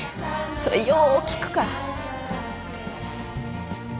それよう効くから。